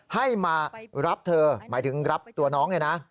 ให้มารับเธอหมายถึงรับตัวน้องเนี่ยนะ